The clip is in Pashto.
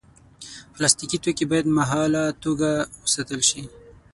پلاستيکي توکي باید مهاله توګه وساتل شي.